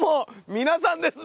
皆さんですね。